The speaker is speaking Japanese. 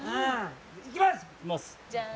行きます。